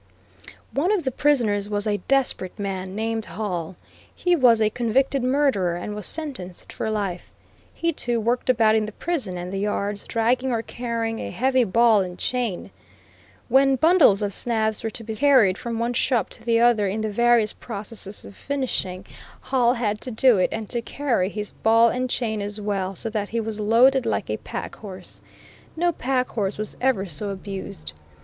One of the prisoners was a desperate man, named Hall. He was a convicted murderer, and was sentenced for life. He too, worked about in the prison and the yards, dragging or carrying a heavy ball and chain. When bundles of snaths were to be carried from one shop to the other in the various processes of finishing, Hall had to do it, and to carry his ball and chain as well, so that he was loaded like a pack horse. No pack horse was ever so abused.